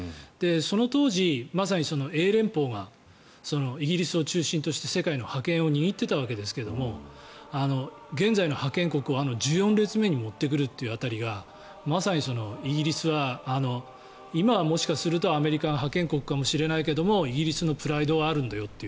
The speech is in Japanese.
その当時、まさに英連邦がイギリスを中心として世界の覇権を握っていたわけですけど現在の覇権国を１４列目に持ってくるという辺りがまさにイギリスは今はもしかするとアメリカが覇権国かもしれないけどイギリスのプライドがあるんだよと。